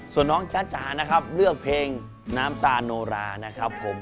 ส่วนน้องจ๊ะจ๋านะครับเลือกเพลงน้ำตาโนรานะครับผม